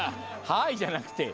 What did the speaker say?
「はい」じゃなくて。